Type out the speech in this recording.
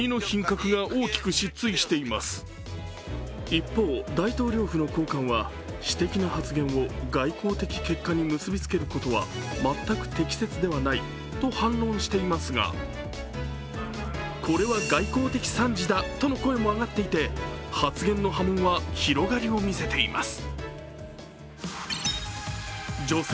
一方、大統領府の高官は、私的な発言を外交的結果に結びつけることは全く適切ではないと反論していますがこれは外交的惨事だとの声も上がっていて発言の波紋は広がりを見せています。